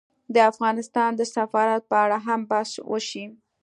د افغانستان د سفارت په اړه هم بحث وشي